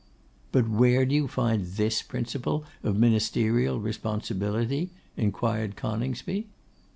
'But where do you find this principle of Ministerial responsibility?' inquired Coningsby.